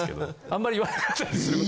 あんまり言わなかったりする。